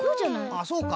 あっそうか？